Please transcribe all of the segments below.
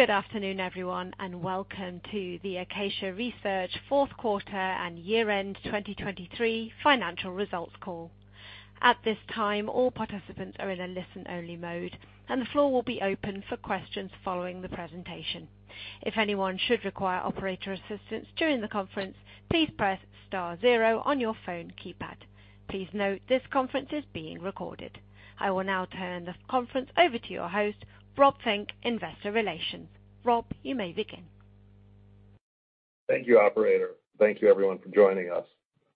Good afternoon, everyone, and welcome to the Acacia Research fourth quarter and year-end 2023 financial results call. At this time, all participants are in a listen-only mode, and the floor will be open for questions following the presentation. If anyone should require operator assistance during the conference, please press star zero on your phone keypad. Please note, this conference is being recorded. I will now turn the conference over to your host, Rob Fink, Investor Relations. Rob, you may begin. Thank you, operator. Thank you, everyone, for joining us.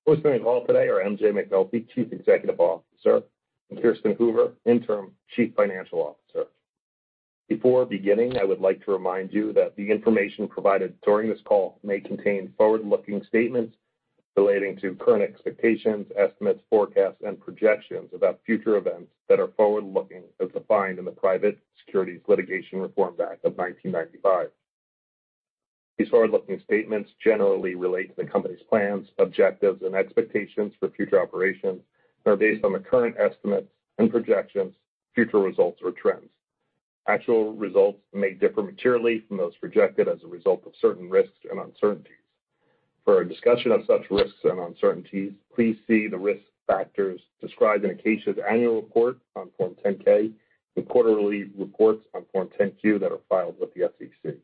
Who's being called today are MJ McNulty, Chief Executive Officer, and Kirsten Hoover, Interim Chief Financial Officer. Before beginning, I would like to remind you that the information provided during this call may contain forward-looking statements relating to current expectations, estimates, forecasts, and projections about future events that are forward-looking as defined in the Private Securities Litigation Reform Act of 1995. These forward-looking statements generally relate to the company's plans, objectives, and expectations for future operations and are based on the current estimates and projections, future results, or trends. Actual results may differ materially from those projected as a result of certain risks and uncertainties. For a discussion of such risks and uncertainties, please see the risk factors described in Acacia's annual report on Form 10-K and quarterly reports on Form 10-Q that are filed with the SEC.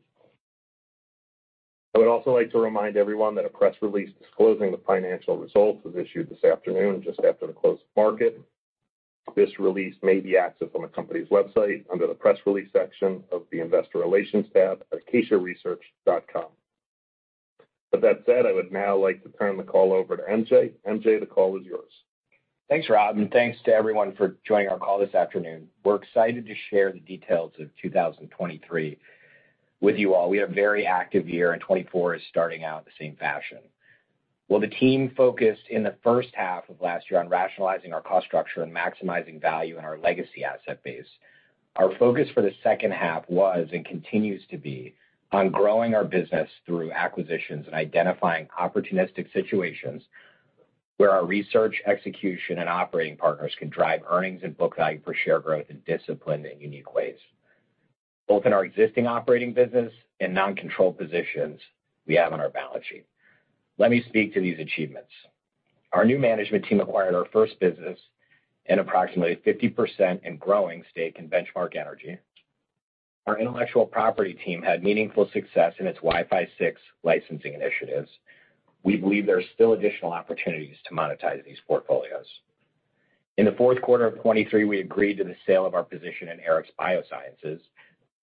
I would also like to remind everyone that a press release disclosing the financial results was issued this afternoon just after the close of market. This release may be accessed from the company's website under the Press Release section of the Investor Relations tab at acacia-research.com. With that said, I would now like to turn the call over to MJ. MJ, the call is yours. Thanks, Rob, and thanks to everyone for joining our call this afternoon. We're excited to share the details of 2023 with you all. We have a very active year, and 2024 is starting out in the same fashion. While the team focused in the first half of last year on rationalizing our cost structure and maximizing value in our legacy asset base, our focus for the second half was and continues to be on growing our business through acquisitions and identifying opportunistic situations where our research, execution, and operating partners can drive earnings and book value per share growth in disciplined and unique ways, both in our existing operating business and non-controlled positions we have on our balance sheet. Let me speak to these achievements. Our new management team acquired our first business in approximately 50% and growing stake in Benchmark Energy. Our intellectual property team had meaningful success in its Wi-Fi 6 licensing initiatives. We believe there are still additional opportunities to monetize these portfolios. In the fourth quarter of 2023, we agreed to the sale of our position in Arix Bioscience.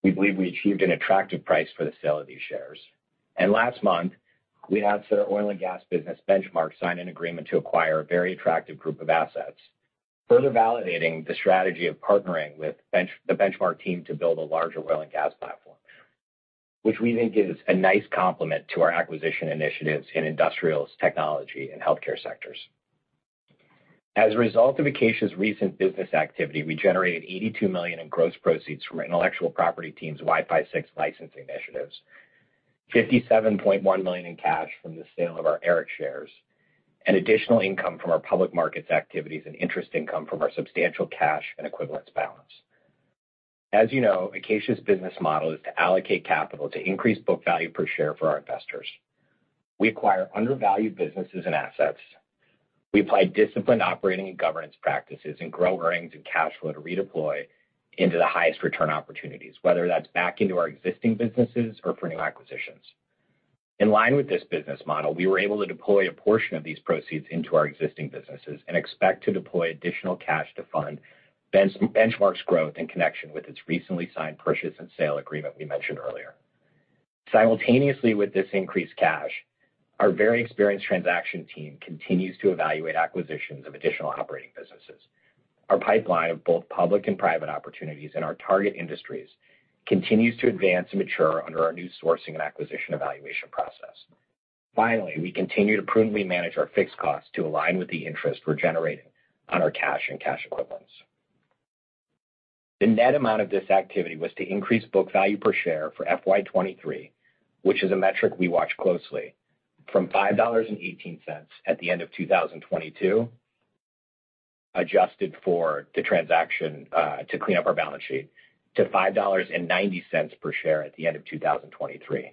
We believe we achieved an attractive price for the sale of these shares. Last month, we announced that our oil and gas business Benchmark signed an agreement to acquire a very attractive group of assets, further validating the strategy of partnering with the Benchmark team to build a larger oil and gas platform, which we think is a nice complement to our acquisition initiatives in industrials, technology, and healthcare sectors. As a result of Acacia's recent business activity, we generated $82 million in gross proceeds from our intellectual property team's Wi-Fi 6 licensing initiatives, $57.1 million in cash from the sale of our Arix shares, and additional income from our public markets activities and interest income from our substantial cash and equivalents balance. As you know, Acacia's business model is to allocate capital to increase book value per share for our investors. We acquire undervalued businesses and assets. We apply disciplined operating and governance practices and grow earnings and cash flow to redeploy into the highest return opportunities, whether that's back into our existing businesses or for new acquisitions. In line with this business model, we were able to deploy a portion of these proceeds into our existing businesses and expect to deploy additional cash to fund Benchmark's growth in connection with its recently signed purchase and sale agreement we mentioned earlier. Simultaneously with this increased cash, our very experienced transaction team continues to evaluate acquisitions of additional operating businesses. Our pipeline of both public and private opportunities in our target industries continues to advance and mature under our new sourcing and acquisition evaluation process. Finally, we continue to prudently manage our fixed costs to align with the interest we're generating on our cash and cash equivalents. The net amount of this activity was to increase book value per share for FY 2023, which is a metric we watch closely, from $5.18 at the end of 2022, adjusted for the transaction to clean up our balance sheet, to $5.90 per share at the end of 2023.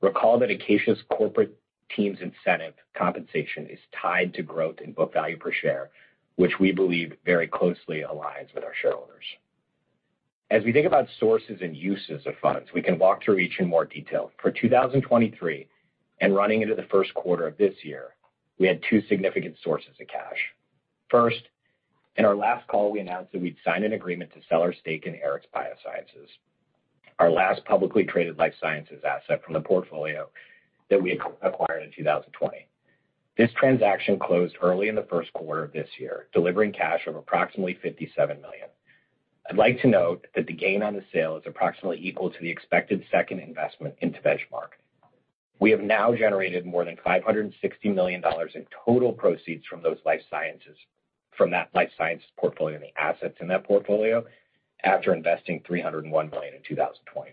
Recall that Acacia's corporate team's incentive compensation is tied to growth in book value per share, which we believe very closely aligns with our shareholders. As we think about sources and uses of funds, we can walk through each in more detail. For 2023 and running into the first quarter of this year, we had two significant sources of cash. First, in our last call, we announced that we'd signed an agreement to sell our stake in Arix Bioscience, our last publicly traded life sciences asset from the portfolio that we acquired in 2020. This transaction closed early in the first quarter of this year, delivering cash of approximately $57 million. I'd like to note that the gain on the sale is approximately equal to the expected second investment into Benchmark. We have now generated more than $560 million in total proceeds from those life sciences portfolio and the assets in that portfolio after investing $301 million in 2021.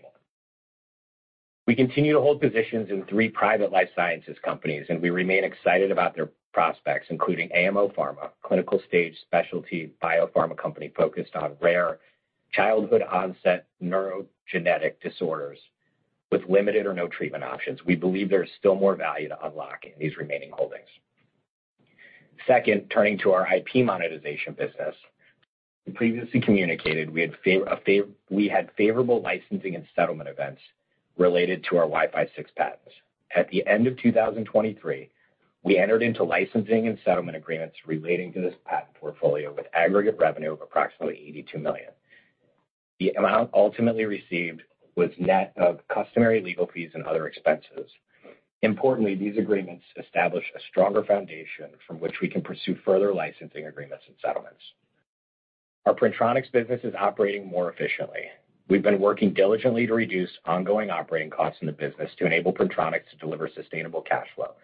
We continue to hold positions in three private life sciences companies, and we remain excited about their prospects, including AMO Pharma, clinical-stage specialty biopharma company focused on rare childhood-onset neurogenetic disorders with limited or no treatment options. We believe there is still more value to unlock in these remaining holdings. Second, turning to our IP monetization business, we previously communicated we had favorable licensing and settlement events related to our Wi-Fi 6 patents. At the end of 2023, we entered into licensing and settlement agreements relating to this patent portfolio with aggregate revenue of approximately $82 million. The amount ultimately received was net of customary legal fees and other expenses. Importantly, these agreements establish a stronger foundation from which we can pursue further licensing agreements and settlements. Our Printronix business is operating more efficiently. We've been working diligently to reduce ongoing operating costs in the business to enable Printronix to deliver sustainable cash flow.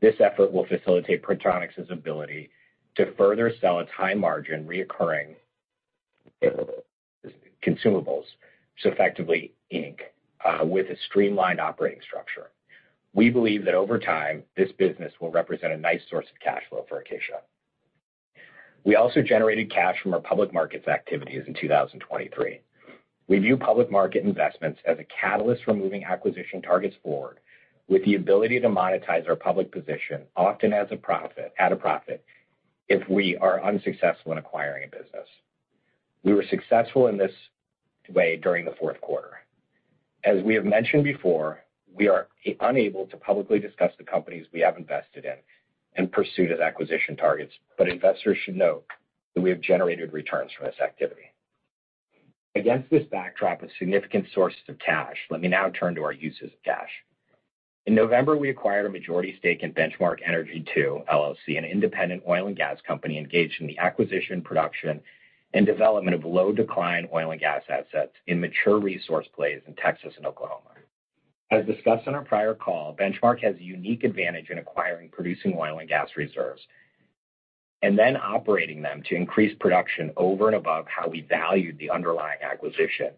This effort will facilitate Printronix's ability to further sell at high-margin recurring consumables, effectively ink, with a streamlined operating structure. We believe that over time, this business will represent a nice source of cash flow for Acacia. We also generated cash from our public markets activities in 2023. We view public market investments as a catalyst for moving acquisition targets forward with the ability to monetize our public position often at a profit if we are unsuccessful in acquiring a business. We were successful in this way during the fourth quarter. As we have mentioned before, we are unable to publicly discuss the companies we have invested in and pursue as acquisition targets, but investors should note that we have generated returns from this activity. Against this backdrop of significant sources of cash, let me now turn to our uses of cash. In November, we acquired a majority stake in Benchmark Energy II, LLC, an independent oil and gas company engaged in the acquisition, production, and development of low-decline oil and gas assets in mature resource plays in Texas and Oklahoma. As discussed on our prior call, Benchmark has a unique advantage in acquiring producing oil and gas reserves and then operating them to increase production over and above how we valued the underlying acquisition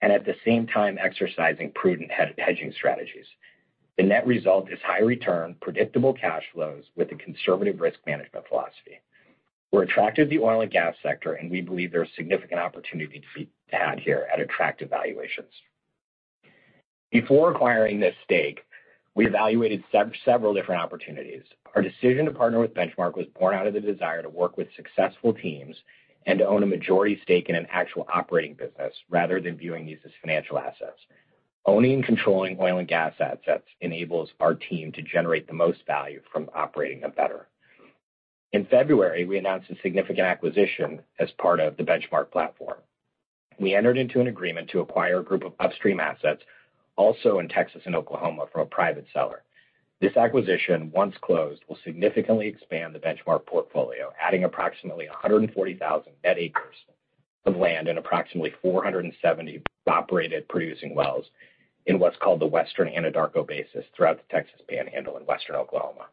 and at the same time exercising prudent hedging strategies. The net result is high return, predictable cash flows with a conservative risk management philosophy. We're attracted to the oil and gas sector, and we believe there's significant opportunity to be had here at attractive valuations. Before acquiring this stake, we evaluated several different opportunities. Our decision to partner with Benchmark was born out of the desire to work with successful teams and to own a majority stake in an actual operating business rather than viewing these as financial assets. Owning and controlling oil and gas assets enables our team to generate the most value from operating them better. In February, we announced a significant acquisition as part of the Benchmark platform. We entered into an agreement to acquire a group of upstream assets also in Texas and Oklahoma from a private seller. This acquisition, once closed, will significantly expand the Benchmark portfolio, adding approximately 140,000 net acres of land and approximately 470 operated producing wells in what's called the Western Anadarko Basin throughout the Texas Panhandle and western Oklahoma.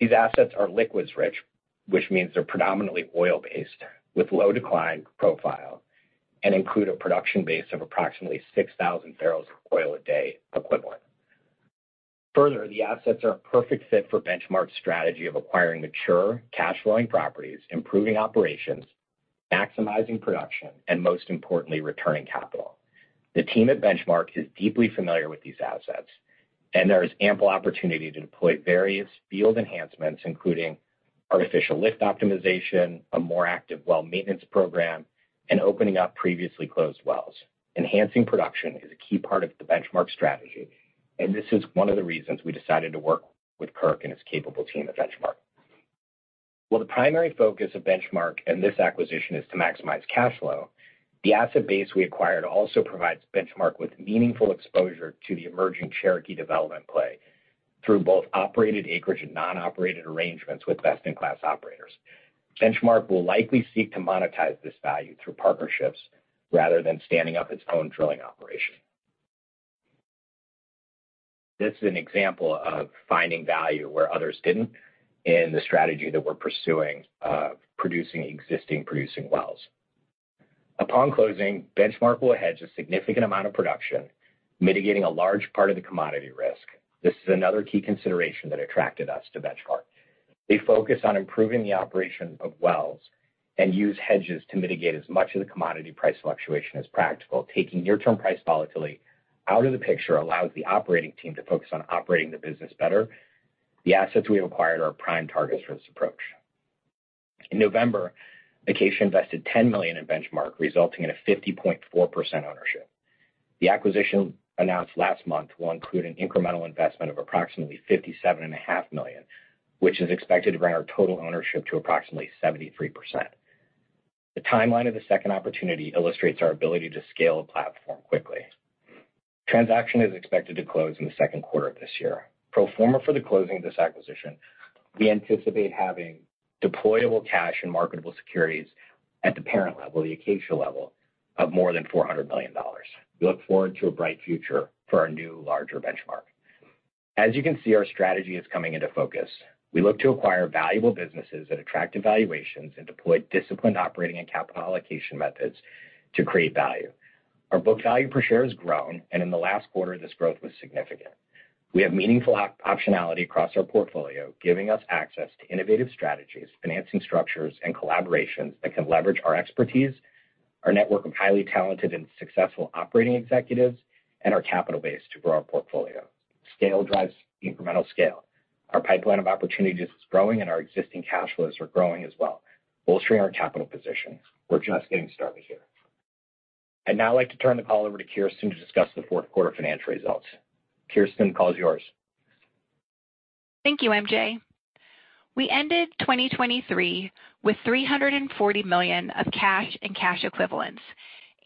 These assets are liquids-rich, which means they're predominantly oil-based with low-decline profile and include a production base of approximately 6,000 barrels of oil a day equivalent. Further, the assets are a perfect fit for Benchmark's strategy of acquiring mature cash-flowing properties, improving operations, maximizing production, and most importantly, returning capital. The team at Benchmark is deeply familiar with these assets, and there is ample opportunity to deploy various field enhancements, including artificial lift optimization, a more active well maintenance program, and opening up previously closed wells. Enhancing production is a key part of the Benchmark strategy, and this is one of the reasons we decided to work with Kirk and his capable team at Benchmark. While the primary focus of Benchmark and this acquisition is to maximize cash flow, the asset base we acquired also provides Benchmark with meaningful exposure to the emerging Cherokee play through both operated acreage and non-operated arrangements with best-in-class operators. Benchmark will likely seek to monetize this value through partnerships rather than standing up its own drilling operation. This is an example of finding value where others didn't in the strategy that we're pursuing of producing existing producing wells. Upon closing, Benchmark will hedge a significant amount of production, mitigating a large part of the commodity risk. This is another key consideration that attracted us to Benchmark. They focus on improving the operation of wells and use hedges to mitigate as much of the commodity price fluctuation as practical. Taking near-term price volatility out of the picture allows the operating team to focus on operating the business better. The assets we acquired are prime targets for this approach. In November, Acacia invested $10 million in Benchmark, resulting in a 50.4% ownership. The acquisition announced last month will include an incremental investment of approximately $57.5 million, which is expected to bring our total ownership to approximately 73%. The timeline of the second opportunity illustrates our ability to scale a platform quickly. Transaction is expected to close in the second quarter of this year. Pro forma for the closing of this acquisition, we anticipate having deployable cash and marketable securities at the parent level, the Acacia level, of more than $400 million. We look forward to a bright future for our new larger Benchmark. As you can see, our strategy is coming into focus. We look to acquire valuable businesses at attractive valuations and deploy disciplined operating and capital allocation methods to create value. Our book value per share has grown, and in the last quarter, this growth was significant. We have meaningful optionality across our portfolio, giving us access to innovative strategies, financing structures, and collaborations that can leverage our expertise, our network of highly talented and successful operating executives, and our capital base to grow our portfolio. Scale drives incremental scale. Our pipeline of opportunities is growing, and our existing cash flows are growing as well, bolstering our capital positions. We're just getting started here. I'd now like to turn the call over to Kirsten to discuss the fourth quarter financial results. Kirsten, the call's yours. Thank you, MJ. We ended 2023 with $340 million of cash and cash equivalents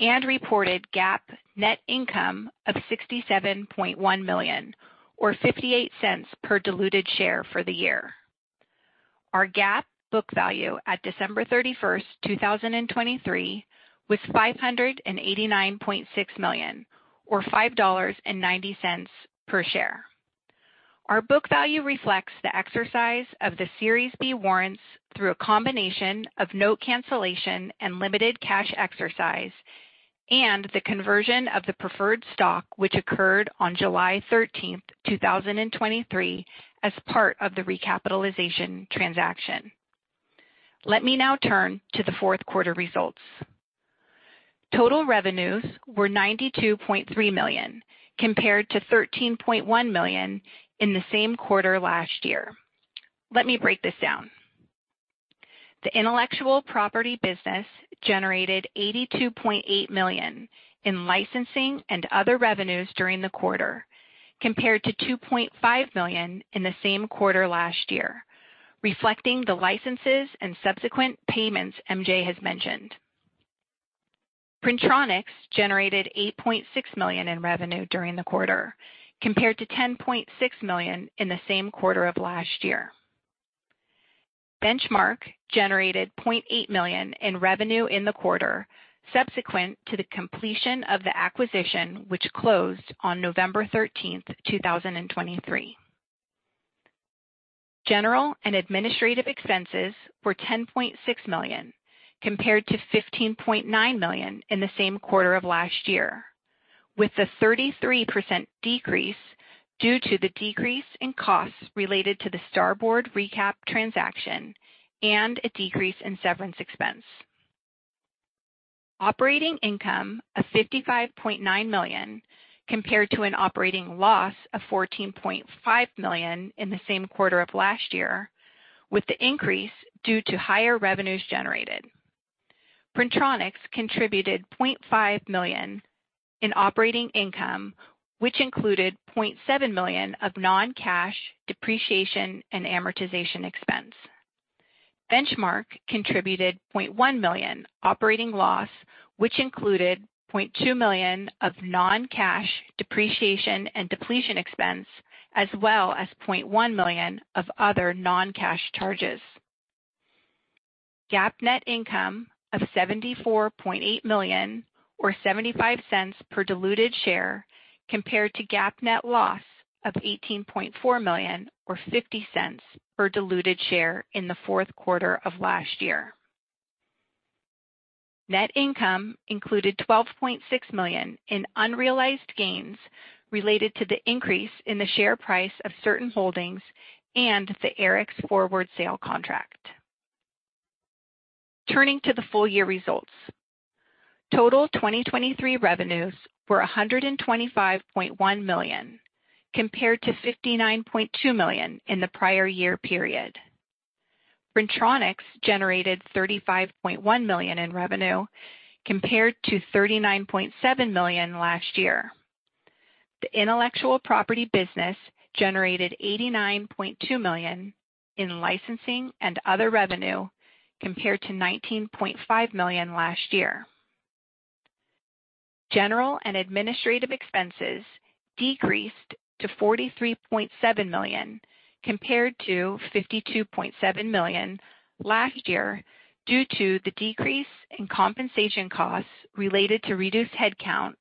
and reported GAAP net income of $67.1 million or $0.58 per diluted share for the year. Our GAAP book value at December 31st, 2023, was $589.6 million or $5.90 per share. Our book value reflects the exercise of the Series B warrants through a combination of note cancellation and limited cash exercise and the conversion of the preferred stock, which occurred on July 13th, 2023, as part of the recapitalization transaction. Let me now turn to the fourth quarter results. Total revenues were $92.3 million compared to $13.1 million in the same quarter last year. Let me break this down. The intellectual property business generated $82.8 million in licensing and other revenues during the quarter compared to $2.5 million in the same quarter last year, reflecting the licenses and subsequent payments MJ has mentioned. Printronix generated $8.6 million in revenue during the quarter compared to $10.6 million in the same quarter of last year. Benchmark generated $0.8 million in revenue in the quarter subsequent to the completion of the acquisition, which closed on November 13th, 2023. General and administrative expenses were $10.6 million compared to $15.9 million in the same quarter of last year, with a 33% decrease due to the decrease in costs related to the Starboard recap transaction and a decrease in severance expense. Operating income of $55.9 million compared to an operating loss of $14.5 million in the same quarter of last year, with the increase due to higher revenues generated. Printronix contributed $0.5 million in operating income, which included $0.7 million of non-cash depreciation and amortization expense. Benchmark contributed $0.1 million operating loss, which included $0.2 million of non-cash depreciation and depletion expense, as well as $0.1 million of other non-cash charges. GAAP net income of $74.8 million or $0.75 per diluted share compared to GAAP net loss of $18.4 million or $0.50 per diluted share in the fourth quarter of last year. Net income included $12.6 million in unrealized gains related to the increase in the share price of certain holdings and the Arix forward sale contract. Turning to the full-year results. Total 2023 revenues were $125.1 million compared to $59.2 million in the prior year period. Printronix generated $35.1 million in revenue compared to $39.7 million last year. The intellectual property business generated $89.2 million in licensing and other revenue compared to $19.5 million last year. General and administrative expenses decreased to $43.7 million compared to $52.7 million last year due to the decrease in compensation costs related to reduced headcount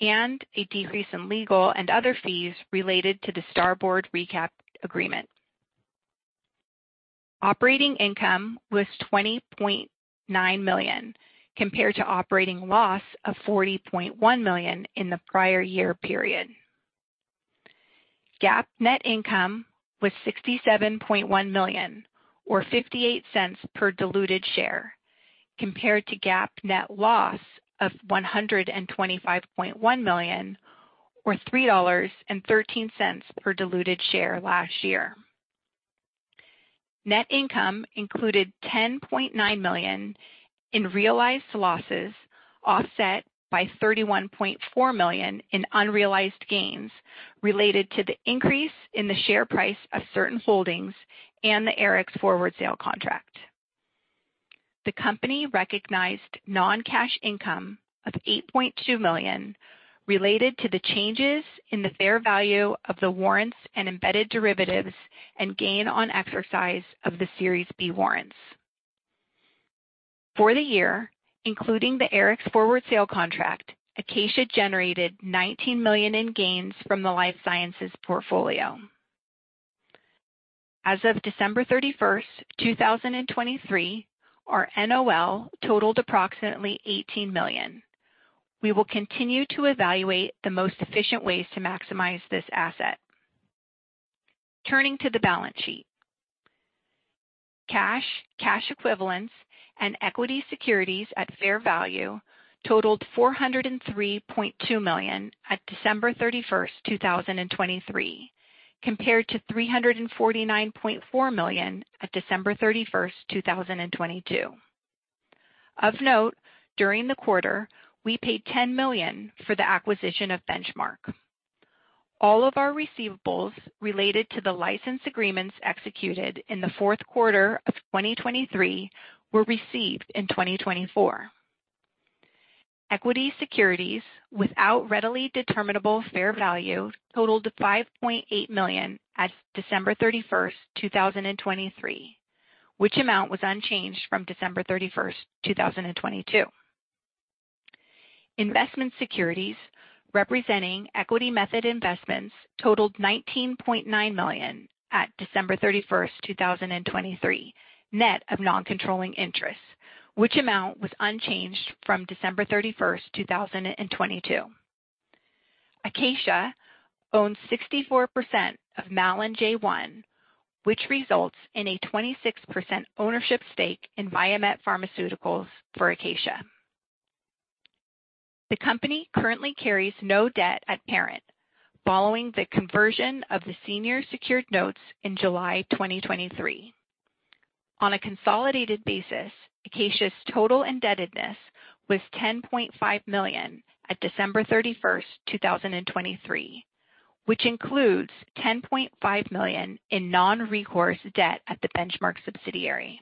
and a decrease in legal and other fees related to the Starboard recap agreement. Operating income was $20.9 million compared to operating loss of $40.1 million in the prior year period. GAAP net income was $67.1 million or $0.58 per diluted share compared to GAAP net loss of $125.1 million or $3.13 per diluted share last year. Net income included $10.9 million in realized losses offset by $31.4 million in unrealized gains related to the increase in the share price of certain holdings and the Arix Forward sale contract. The company recognized non-cash income of $8.2 million related to the changes in the fair value of the warrants and embedded derivatives and gain on exercise of the Series B warrants. For the year, including the Arix forward sale contract, Acacia generated $19 million in gains from the life sciences portfolio. As of December 31st, 2023, our NOL totaled approximately $18 million. We will continue to evaluate the most efficient ways to maximize this asset. Turning to the balance sheet. Cash, cash equivalents, and equity securities at fair value totaled $403.2 million at December 31st, 2023, compared to $349.4 million at December 31st, 2022. Of note, during the quarter, we paid $10 million for the acquisition of Benchmark. All of our receivables related to the license agreements executed in the fourth quarter of 2023 were received in 2024. Equity securities without readily determinable fair value totaled $5.8 million at December 31st, 2023, which amount was unchanged from December 31st, 2022. Investment securities representing equity method investments totaled $19.9 million at December 31st, 2023, net of non-controlling interest, which amount was unchanged from December 31st, 2022. Acacia owns 64% of MalinJ1, which results in a 26% ownership stake in Viamet Pharmaceuticals for Acacia. The company currently carries no debt at parent following the conversion of the senior secured notes in July 2023. On a consolidated basis, Acacia's total indebtedness was $10.5 million at December 31st, 2023, which includes $10.5 million in non-recourse debt at the Benchmark subsidiary.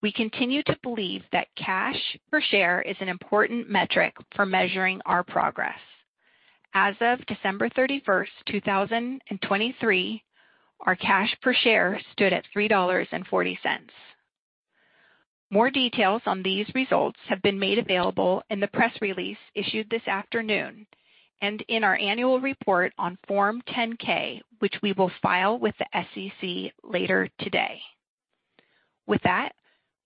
We continue to believe that cash per share is an important metric for measuring our progress. As of December 31st, 2023, our cash per share stood at $3.40. More details on these results have been made available in the press release issued this afternoon and in our annual report on Form 10-K, which we will file with the SEC later today. With that,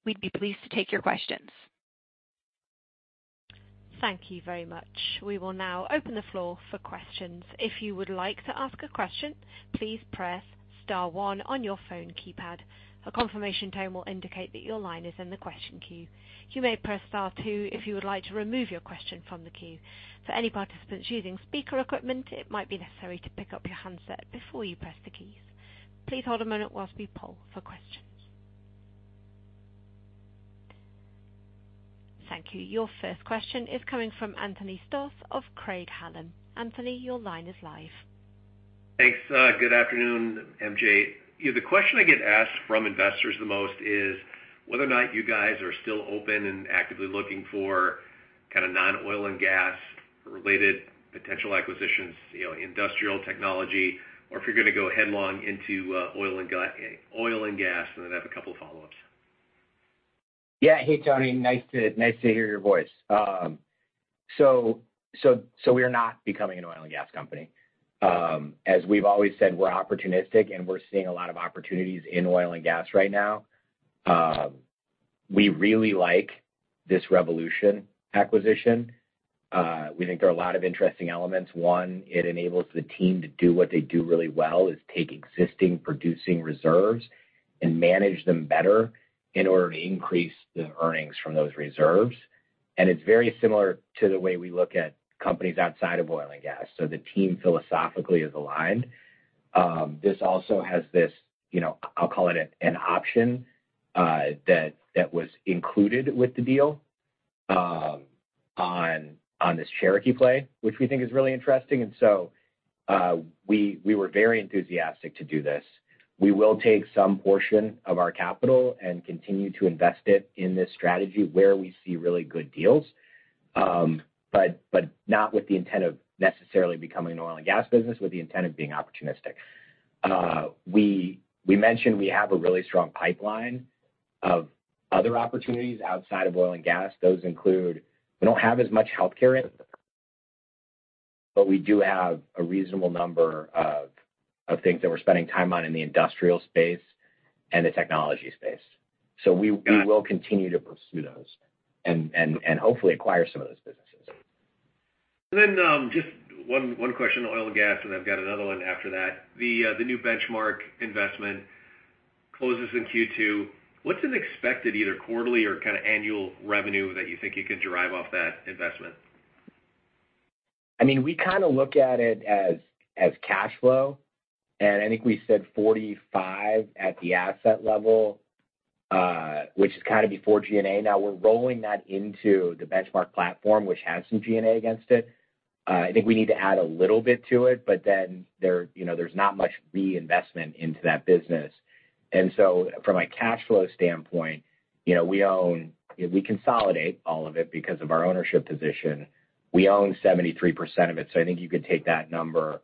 we'd be pleased to take your questions. Thank you very much. We will now open the floor for questions. If you would like to ask a question, please press star one on your phone keypad. A confirmation tone will indicate that your line is in the question queue. You may press star two if you would like to remove your question from the queue. For any participants using speaker equipment, it might be necessary to pick up your handset before you press the keys. Please hold a moment while we poll for questions. Thank you. Your first question is coming from Anthony Stoss of Craig-Hallum. Anthony, your line is live. Thanks. Good afternoon, MJ. The question I get asked from investors the most is whether or not you guys are still open and actively looking for kind of non-oil and gas-related potential acquisitions, industrial technology, or if you're going to go headlong into oil and gas, and then I have a couple of follow-ups. Yeah. Hey, Tony. Nice to hear your voice. So we are not becoming an oil and gas company. As we've always said, we're opportunistic, and we're seeing a lot of opportunities in oil and gas right now. We really like this Benchmark acquisition. We think there are a lot of interesting elements. One, it enables the team to do what they do really well is take existing producing reserves and manage them better in order to increase the earnings from those reserves. And it's very similar to the way we look at companies outside of oil and gas. So the team philosophically is aligned. This also has this I'll call it an option that was included with the deal on this Cherokee play, which we think is really interesting. And so we were very enthusiastic to do this. We will take some portion of our capital and continue to invest it in this strategy where we see really good deals, but not with the intent of necessarily becoming an oil and gas business, with the intent of being opportunistic. We mentioned we have a really strong pipeline of other opportunities outside of oil and gas. Those include we don't have as much healthcare in it, but we do have a reasonable number of things that we're spending time on in the industrial space and the technology space. So we will continue to pursue those and hopefully acquire some of those businesses. And then just one question, oil and gas, and I've got another one after that. The new Benchmark investment closes in Q2. What's an expected either quarterly or kind of annual revenue that you think you can derive off that investment? I mean, we kind of look at it as cash flow. I think we said $45 at the asset level, which is kind of before G&A. Now, we're rolling that into the benchmark platform, which has some G&A against it. I think we need to add a little bit to it, but then there's not much reinvestment into that business. So from a cash flow standpoint, we consolidate all of it because of our ownership position. We own 73% of it. So I think you could take that number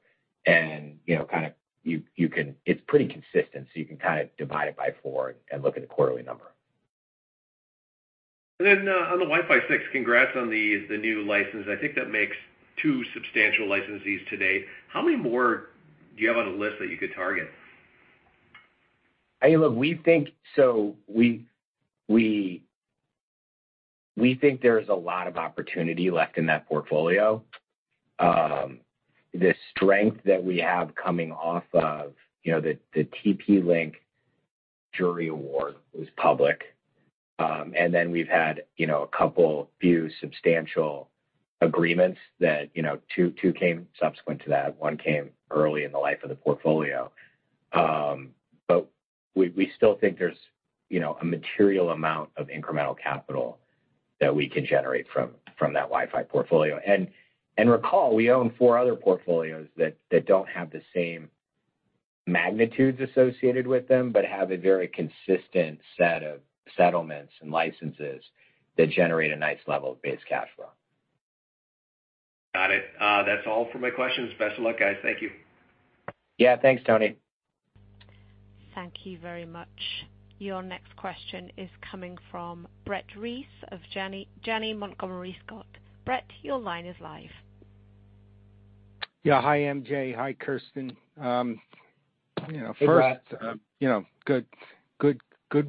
and kind of you can it's pretty consistent. So you can kind of divide it by four and look at the quarterly number. And then on the Wi-Fi 6, congrats on the new license. I think that makes two substantial licensees today. How many more do you have on a list that you could target? Hey, look, we think there's a lot of opportunity left in that portfolio. The strength that we have coming off of the TP-Link jury award was public. And then we've had a couple few substantial agreements that two came subsequent to that. One came early in the life of the portfolio. But we still think there's a material amount of incremental capital that we can generate from that Wi-Fi portfolio. And recall, we own four other portfolios that don't have the same magnitudes associated with them, but have a very consistent set of settlements and licenses that generate a nice level of base cash flow. Got it. That's all for my questions. Best of luck, guys. Thank you. Yeah. Thanks, Tony. Thank you very much. Your next question is coming from Brett Reiss of Janney Montgomery Scott. Brett, your line is live. Yeah. Hi, MJ. Hi, Kirsten. First, good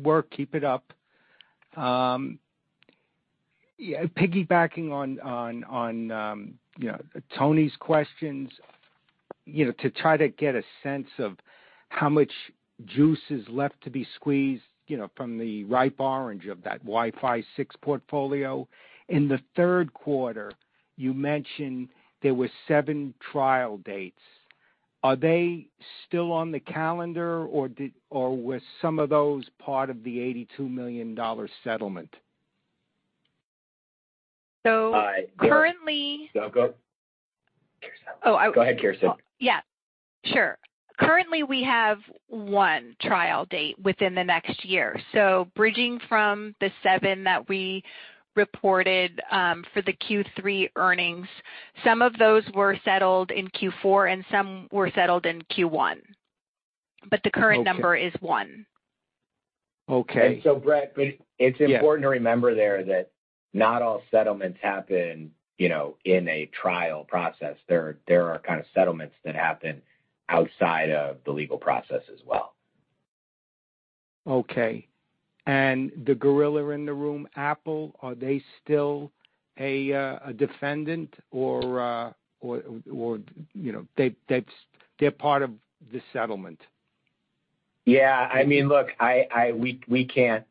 work. Keep it up. Piggybacking on Tony's questions, to try to get a sense of how much juice is left to be squeezed from the ripe orange of that Wi-Fi 6 portfolio. In the third quarter, you mentioned there were seven trial dates. Are they still on the calendar, or was some of those part of the $82 million settlement? So currently. Go ahead, Kirsten. Yeah. Sure. Currently, we have one trial date within the next year. So bridging from the seven that we reported for the Q3 earnings, some of those were settled in Q4, and some were settled in Q1. But the current number is one. And so, Brett, it's important to remember there that not all settlements happen in a trial process. There are kind of settlements that happen outside of the legal process as well. Okay. And the gorilla in the room, Apple, are they still a defendant, or they're part of the settlement? Yeah. I mean, look, we can't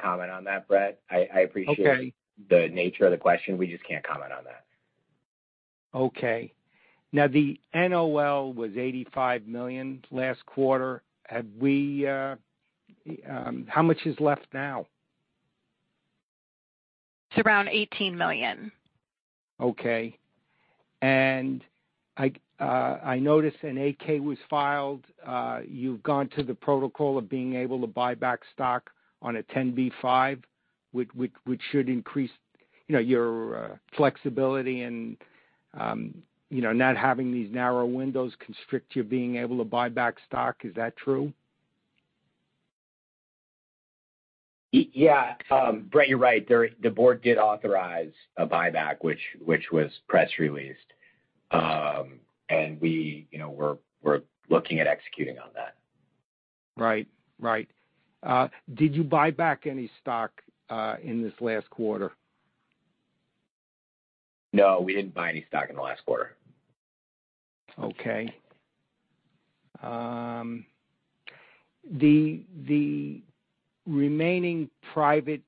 comment on that, Brett. I appreciate the nature of the question. We just can't comment on that. Okay. Now, the NOL was $85 million last quarter. How much is left now? It's around $18 million. Okay. And I noticed a 10-K was filed. You've gone to the protocol of being able to buy back stock on a 10b5-1, which should increase your flexibility. And not having these narrow windows constrict your being able to buy back stock. Is that true? Yeah. Brett, you're right. The board did authorize a buyback, which was press-released. We're looking at executing on that. Right. Right. Did you buy back any stock in this last quarter? No. We didn't buy any stock in the last quarter. Okay. The remaining private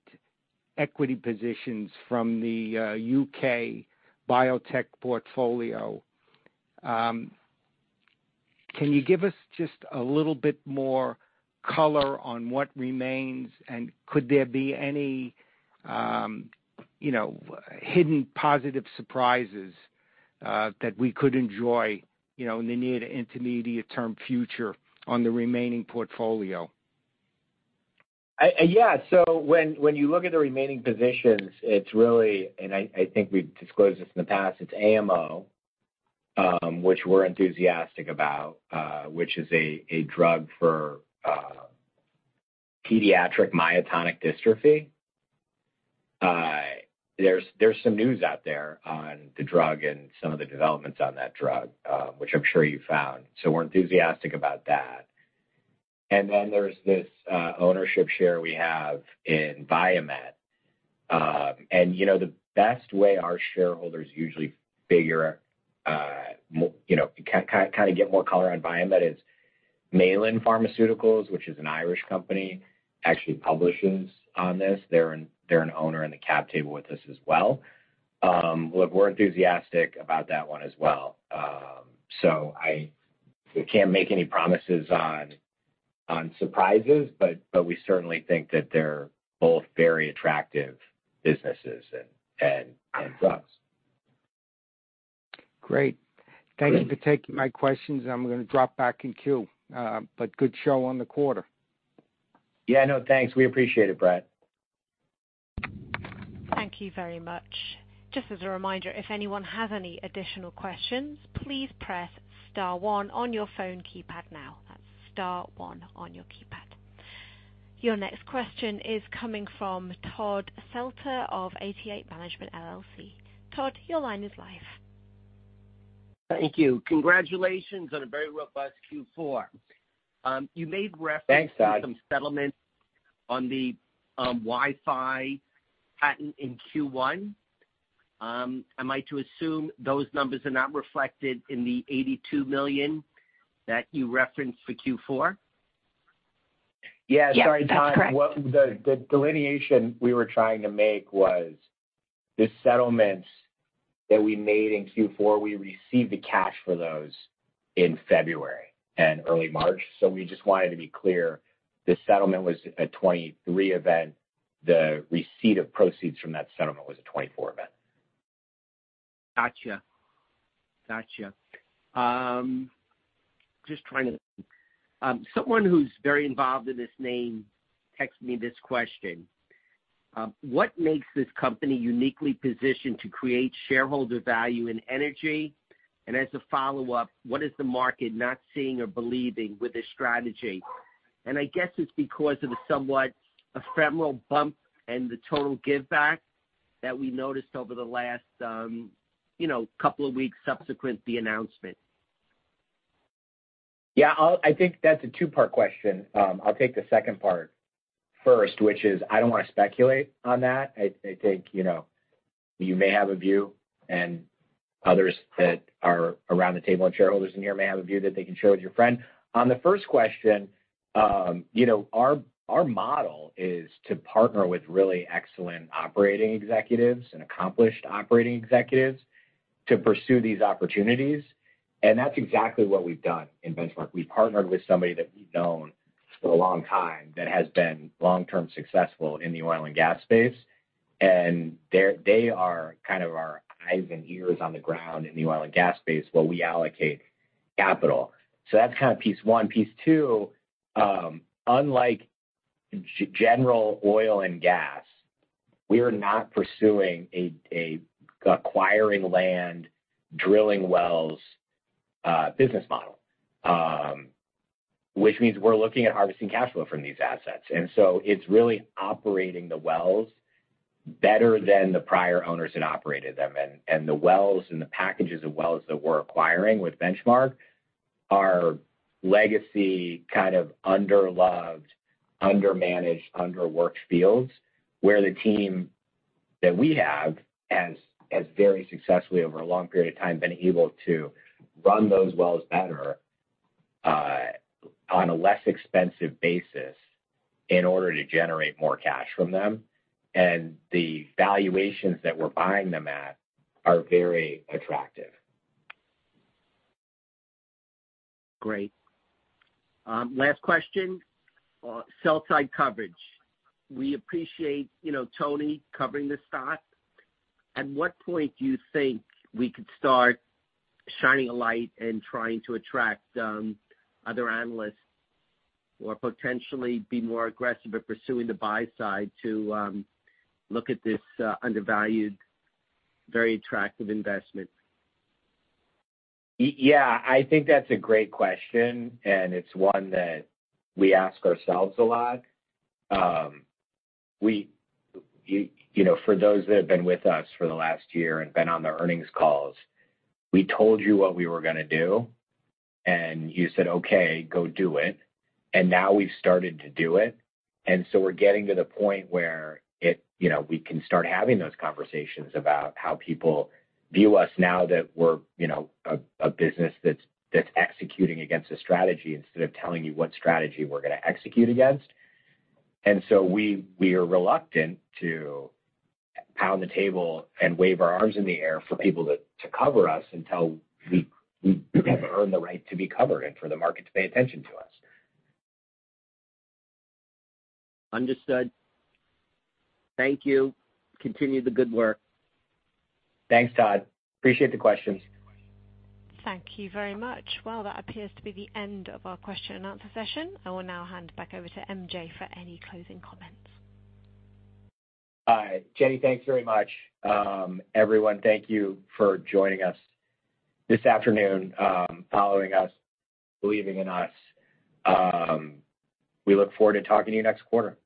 equity positions from the UK biotech portfolio, can you give us just a little bit more color on what remains? Could there be any hidden positive surprises that we could enjoy in the near to intermediate-term future on the remaining portfolio? Yeah. So when you look at the remaining positions, it's really and I think we've disclosed this in the past. It's AMO, which we're enthusiastic about, which is a drug for pediatric myotonic dystrophy. There's some news out there on the drug and some of the developments on that drug, which I'm sure you found. So we're enthusiastic about that. And then there's this ownership share we have in Viamet. And the best way our shareholders usually figure kind of get more color on Viamet is Malin Pharmaceuticals, which is an Irish company, actually publishes on this. They're an owner in the cap table with us as well. Look, we're enthusiastic about that one as well. So I can't make any promises on surprises, but we certainly think that they're both very attractive businesses and drugs. Great. Thank you for taking my questions. I'm going to drop back in queue. But good show on the quarter. Yeah. No. Thanks. We appreciate it, Brett. Thank you very much. Just as a reminder, if anyone has any additional questions, please press star one on your phone keypad now. That's star one on your keypad. Your next question is coming from Todd Seltzer of 88 Management LLC. Todd, your line is live. Thank you. Congratulations on a very robust Q4. You made reference to some settlements on the Wi-Fi patent in Q1. Am I to assume those numbers are not reflected in the $82 million that you referenced for Q4? Yeah. Sorry, Todd. The delineation we were trying to make was the settlements that we made in Q4, we received the cash for those in February and early March. So we just wanted to be clear, the settlement was a 2023 event. The receipt of proceeds from that settlement was a 2024 event. Gotcha. Gotcha. Just trying to think. Someone who's very involved in this name texted me this question. "What makes this company uniquely positioned to create shareholder value in energy? And as a follow-up, what is the market not seeing or believing with this strategy?" And I guess it's because of the somewhat ephemeral bump and the total give-back that we noticed over the last couple of weeks subsequent to the announcement. Yeah. I think that's a two-part question. I'll take the second part first, which is I don't want to speculate on that. I think you may have a view, and others that are around the table and shareholders in here may have a view that they can share with your friend. On the first question, our model is to partner with really excellent operating executives and accomplished operating executives to pursue these opportunities. And that's exactly what we've done in Benchmark. We've partnered with somebody that we've known for a long time that has been long-term successful in the oil and gas space. And they are kind of our eyes and ears on the ground in the oil and gas space while we allocate capital. So that's kind of piece one. Piece two, unlike general oil and gas, we are not pursuing an acquiring land, drilling wells business model, which means we're looking at harvesting cash flow from these assets. So it's really operating the wells better than the prior owners had operated them. And the wells and the packages of wells that we're acquiring with Benchmark are legacy kind of under-loved, under-managed, under-worked fields where the team that we have has very successfully, over a long period of time, been able to run those wells better on a less expensive basis in order to generate more cash from them. And the valuations that we're buying them at are very attractive. Great. Last question, sell-side coverage. We appreciate Tony covering this stock. At what point do you think we could start shining a light and trying to attract other analysts or potentially be more aggressive at pursuing the buy side to look at this undervalued, very attractive investment? Yeah. I think that's a great question, and it's one that we ask ourselves a lot. For those that have been with us for the last year and been on the earnings calls, we told you what we were going to do, and you said, "Okay. Go do it." And now we've started to do it. And so we're getting to the point where we can start having those conversations about how people view us now that we're a business that's executing against a strategy instead of telling you what strategy we're going to execute against. And so we are reluctant to pound the table and wave our arms in the air for people to cover us until we have earned the right to be covered and for the market to pay attention to us. Understood. Thank you. Continue the good work. Thanks, Todd. Appreciate the questions. Thank you very much. Well, that appears to be the end of our question-and-answer session. I will now hand back over to MJ for any closing comments. Jenny, thanks very much. Everyone, thank you for joining us this afternoon, following us, believing in us. We look forward to talking to you next quarter.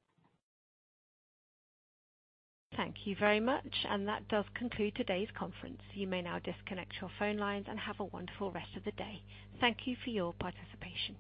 Thank you very much. That does conclude today's conference. You may now disconnect your phone lines and have a wonderful rest of the day. Thank you for your participation.